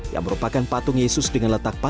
yang merupakan patung yesus dengan letak